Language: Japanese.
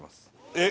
えっ